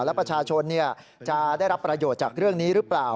และประชาชนจะได้รับประโยชน์จากเรื่องนี้หรือเปล่า